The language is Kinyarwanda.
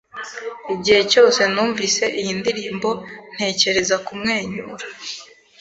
Igihe cyose numvise iyi ndirimbo, ntekereza kumwenyura.